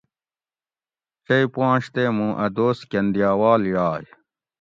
چئ پوانش تے مُوں اۤ دوست کندیاوال یائ